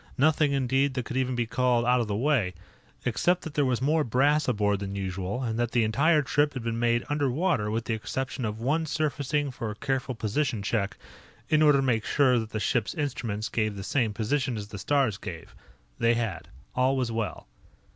Nothing, indeed, that could even be called out of the way except that there was more brass aboard than usual, and that the entire trip had been made underwater with the exception of one surfacing for a careful position check, in order to make sure that the ship's instruments gave the same position as the stars gave. They had. All was well.